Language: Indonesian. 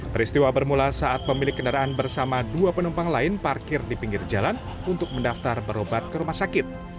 peristiwa bermula saat pemilik kendaraan bersama dua penumpang lain parkir di pinggir jalan untuk mendaftar berobat ke rumah sakit